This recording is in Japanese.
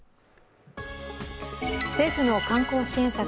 政府の観光支援策